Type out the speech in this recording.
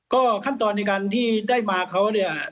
ก็ขั้นตอนในการที่ได้มาเขาเนี่ย